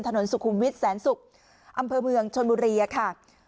ถนนสุขุมวิทย์แสนสุขอัมเมื่อเมืองชลบุหรี่ค่ะ